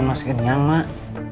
idan masukinnya mak